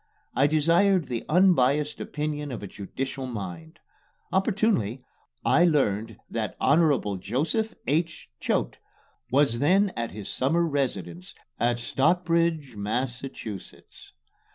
I desired the unbiased opinion of a judicial mind. Opportunely, I learned that the Hon. Joseph H. Choate was then at his summer residence at Stockbridge, Massachusetts.